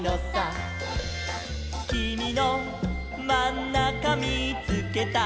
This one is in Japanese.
「きみのまんなかみーつけた」